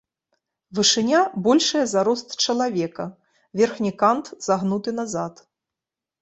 Вышыня большая за рост чалавека, верхні кант загнуты назад.